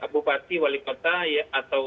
bupati wali kota atau